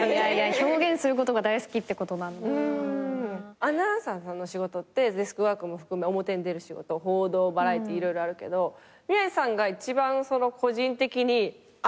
アナウンサーさんの仕事ってデスクワークも含め表に出る仕事報道バラエティー色々あるけど宮司さんが一番個人的に上がってる。